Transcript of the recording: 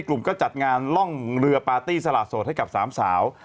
กลุ่มก็จัดงานล่องเรือปาร์ตี้สละโสดให้กับสามสาว